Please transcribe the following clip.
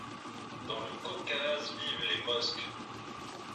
Dans le Caucase vivent les Mosques.